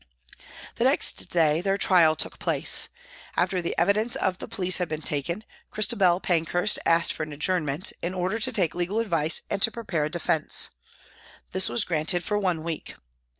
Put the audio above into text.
The next day their trial took place. After the evidence of the police had been taken, Christabel Pankhurst asked for an adjournment, in order to take legal advice and to prepare a defence. This was granted for one week.